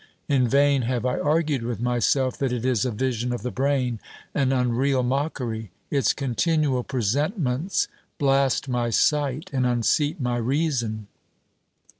In vain have I argued with myself that it is a vision of the brain, an un real mockery : its continual presentments blast my sight, and unseat my reason.